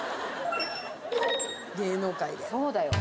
芸能界でそうだよ